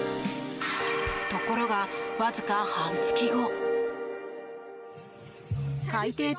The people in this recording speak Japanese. ところが、わずか半月後。